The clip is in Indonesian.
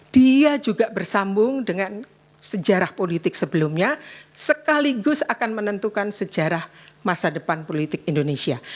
dia juga bersambung dengan sejarah politik sebelumnya sekaligus akan menentukan sejarah masa depan politik indonesia